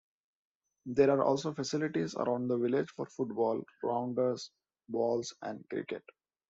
There are also facilities around the village for football, rounders, bowls and cricket.